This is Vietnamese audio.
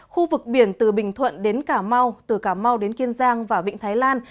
khu vực biển từ bình thuận đến cà mau từ cà mau đến kiên giang và vịnh thái lan